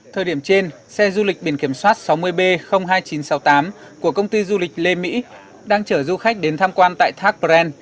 thời điểm trên xe du lịch biển kiểm soát sáu mươi b hai nghìn chín trăm sáu mươi tám của công ty du lịch lê mỹ đang chở du khách đến tham quan tại thác bren